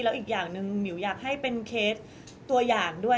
แล้วอีกอย่างหนึ่งหมิวอยากให้เป็นเคสตัวอย่างด้วย